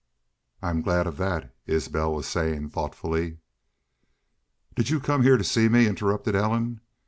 "I'm glad of that," Isbel was saying, thoughtfully. "Did you come heah to see me?" interrupted Ellen.